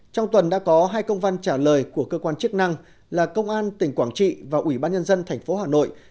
trong tuần đã có hai công văn trả lời của cơ quan chức năng là công an tỉnh quảng trị và ủy ban nhân dân tp hà nội